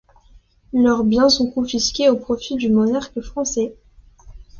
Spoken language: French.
Leurs biens sont confisqués au profit du monarque français.